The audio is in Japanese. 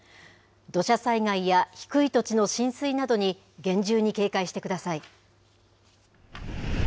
土砂災害や低い土地の浸水などに厳重に警戒してください。